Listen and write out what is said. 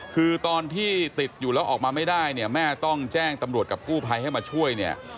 คือตอนที่ติดอยู่แล้วออกมาไม่ได้เนี่ยแม่ต้องแจ้งตำรวจกับกู้ภัยให้มาช่วยเนี่ย